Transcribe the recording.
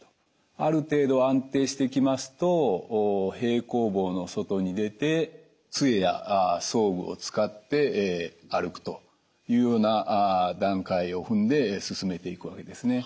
ある程度安定してきますと平行棒の外に出てつえや装具を使って歩くというような段階を踏んで進めていくわけですね。